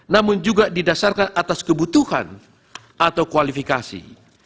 namun juga didasarkan atas kebutuhan atau kualifikasi